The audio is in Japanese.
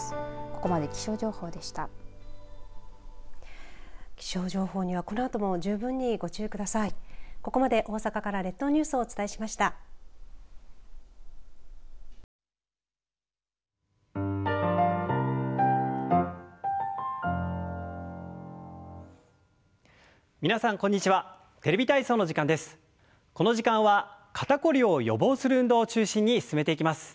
この時間は肩凝りを予防する運動を中心に進めていきます。